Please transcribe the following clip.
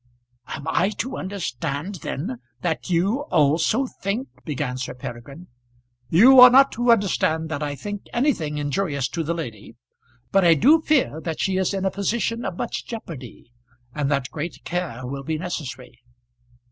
"Am I to understand, then, that you also think ?" began Sir Peregrine. "You are not to understand that I think anything injurious to the lady; but I do fear that she is in a position of much jeopardy, and that great care will be necessary."